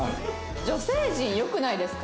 女性陣良くないですか？